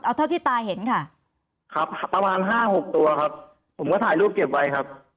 เอาเท่าที่ตาเห็นค่ะครับประมาณห้าหกตัวครับผมก็ถ่ายรูปเก็บไว้ครับ